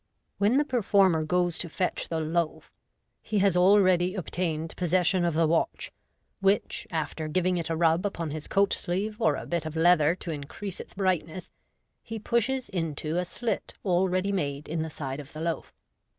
When the performer goes to fetch the loaf, he has already obtained possession of the watch, which, after giving it & rub upon his coat sleeve or a bit of leather to increase its brightness, he pushes into a slit already made in the side of the loaf.